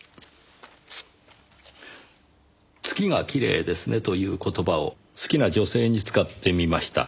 「月がきれいですね」という言葉を好きな女性に使ってみました。